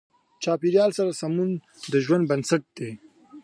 چاپېریال سره سمون د ژوند بنسټ دی.